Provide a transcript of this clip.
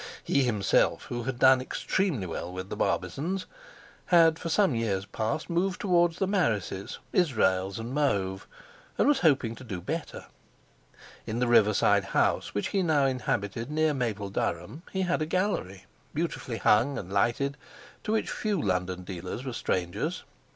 He himself, who had done extremely well with the Barbizons, had for some years past moved towards the Marises, Israels, and Mauve, and was hoping to do better. In the riverside house which he now inhabited near Mapledurham he had a gallery, beautifully hung and lighted, to which few London dealers were strangers.